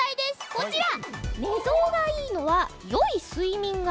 こちら！